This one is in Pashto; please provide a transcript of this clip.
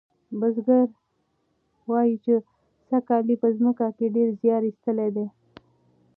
بزګر وایي چې سږکال یې په مځکه کې ډیر زیار ایستلی دی.